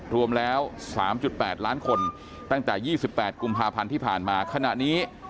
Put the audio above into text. รวมแล้ว๓๘ล้านคนตั้งแต่๒๘กุมภาพันธ์ที่ผ่านมาขณะนี้